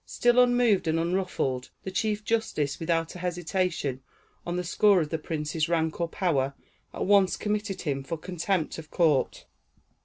Still unmoved and unruffled, the chief justice, without a hesitation on the score of the prince's rank or power, at once committed him for contempt of court.